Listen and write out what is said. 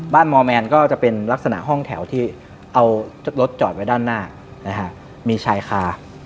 มอร์แมนก็จะเป็นลักษณะห้องแถวที่เอารถจอดไว้ด้านหน้ามีชายคา